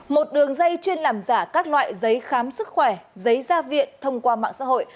một đường dây chuyên làm giả các loại giấy khám sức khỏe giấy gia viện thông qua mạng xã hội